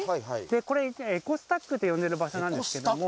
エコスタックと呼んでいる場所なんですが。